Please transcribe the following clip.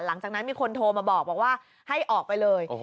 หลังจากนั้นมีคนโทรมาบอกว่าให้ออกไปเลย